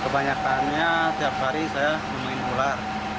kebanyakannya tiap hari saya bermain ular